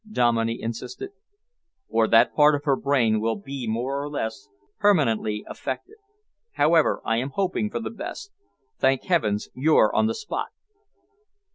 Dominey insisted. "Or that part of her brain will be more or less permanently affected. However, I am hoping for the best. Thank heavens you're on the spot!"